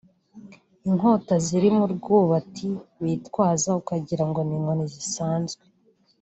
inkota ziri mu rwubati bitwaza ukagirango ni inkoni zisanzwe